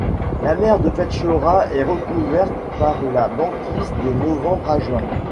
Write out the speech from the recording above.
La mer de Petchora est recouverte par la banquise de novembre à juin.